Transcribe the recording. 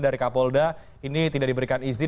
dari kapolda ini tidak diberikan izin